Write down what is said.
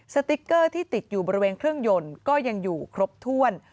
สติ๊กเกอร์ที่ติดอยู่บริเวณเครื่องยนต์ก็ยังอยู่ครบถ้วน